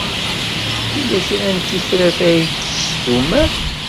Yella kra n tifrat ay d-tessumer?